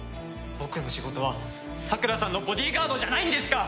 僕の仕事はさくらさんのボディーガードじゃないんですか！？